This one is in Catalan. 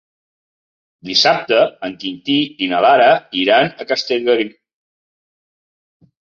Dissabte en Quintí i na Lara iran a Castellgalí.